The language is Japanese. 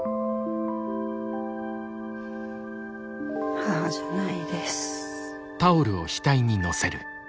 母じゃないです。